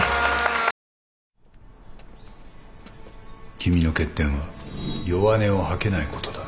君の欠点は弱音を吐けないことだ